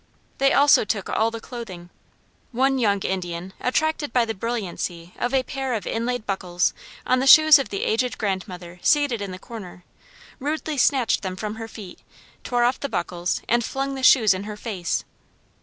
They also took all the clothing. One young Indian, attracted by the brilliancy of a pair of inlaid buckles on the shoes of the aged grandmother seated in the corner, rudely snatched them from her feet, tore off the buckles, and flung the shoes in her face.